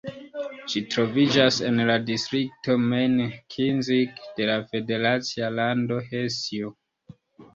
Ĝi troviĝas en la distrikto Main-Kinzig de la federacia lando Hesio.